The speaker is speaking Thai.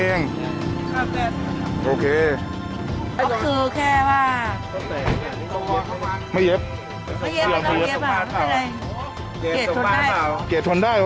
แล้วชอบเหรอที่เขามาทำอย่างเนี้ย